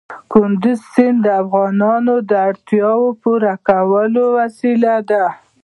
کندز سیند د افغانانو د اړتیاوو د پوره کولو وسیله ده.